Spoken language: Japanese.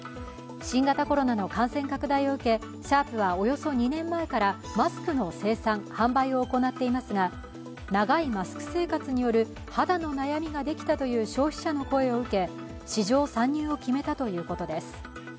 新型コロナの感染拡大を受けシャープはおよそ２年前からマスクの生産・販売を行っていますが長いマスク生活による肌の悩みができたという消費者の声を受け市場参入を決めたということです。